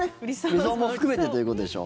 理想も含めてということでしょ。